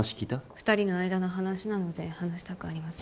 二人の間の話なので話したくありません